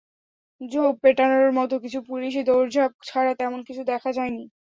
ঝোপ পেটানোর মতো কিছু পুলিশি দৌড়ঝাঁপ ছাড়া তেমন কিছু দেখা যায়নি।